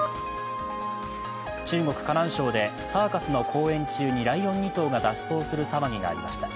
中国・河南省でサーカスの公演中にライオン２頭が脱走する騒ぎがありました。